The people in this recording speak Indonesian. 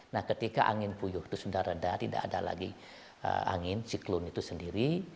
nah ketika angin puyuh itu sudah reda tidak ada lagi angin siklon itu sendiri